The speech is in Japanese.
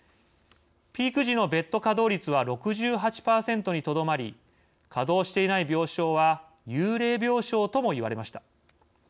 ピーク時のベッド稼働率は６８％にとどまり稼働していない病床は幽霊病床ともいわれました。